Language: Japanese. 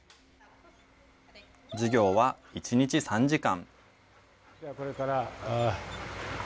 授業は１日３時間。